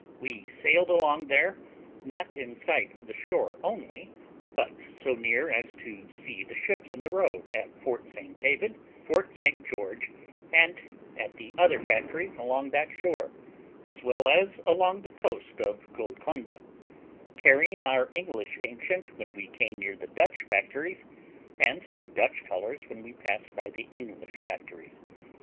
We sailed along there, not in sight of the shore only, but so near as to see the ships in the road at Fort St David, Fort St George, and at the other factories along that shore, as well as along the coast of Golconda, carrying our English ancient when we came near the Dutch factories, and Dutch colours when we passed by the English factories.